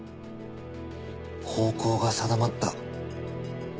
方向が定まった。